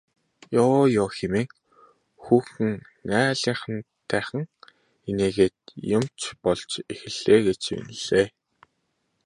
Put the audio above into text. Ёо ёо хэмээн хүүхэн наалинхайтан инээгээд юм ч болж эхэллээ гэж шивнэлээ.